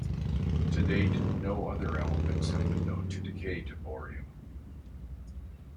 To date, no other elements have been known to decay to bohrium.